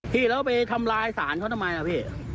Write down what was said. พี่เราไปทำลายสารเขาทำไมนะพี่